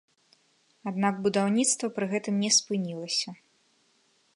Аднак будаўніцтва пры гэтым не спынілася.